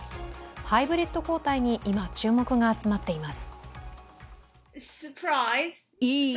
ハイブリッド抗体に今、注目が集まっています。